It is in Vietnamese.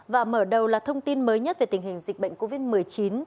và mở đầu là thông tin mới nhất về tình hình dịch bệnh covid một mươi chín